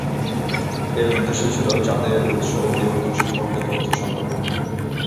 এর উদ্দেশ্য ছিল চাঁদের উৎস ও বিবর্তন সম্পর্কে তথ্য সংগ্রহ।